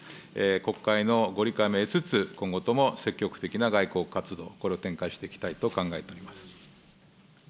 国会のご理解も得つつ、今後とも積極的な外交活動、これを展開していきたいと考えております。